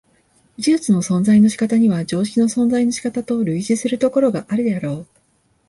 技術の存在の仕方には常識の存在の仕方と類似するところがあるであろう。